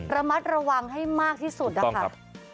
ระมัดระวังให้มากที่สุดนะคะ